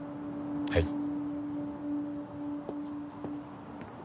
はい。